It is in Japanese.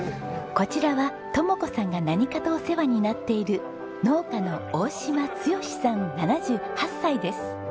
こちらは智子さんが何かとお世話になっている農家の大島強さん７８歳です。